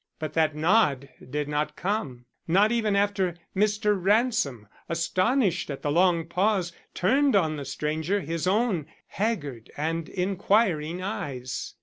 But that nod did not come, not even after Mr. Ransom, astonished at the long pause, turned on the stranger his own haggard and inquiring eyes.